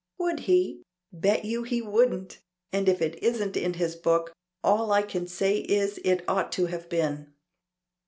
"Would he? Bet you he wouldn't! And if it isn't in his book, all I can say is it ought to have been.